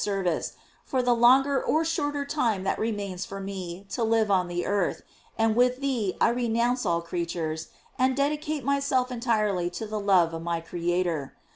service, for the longer or shorter tim« that re* mains for me to live on the earth; and with thea I renounce all creatures, and dedicate myself en« tirely to the love of my Creator.